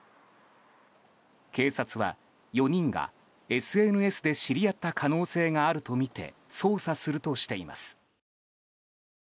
警察は４人がＳＮＳで知り合った可能性があるとみて捜査するとしています。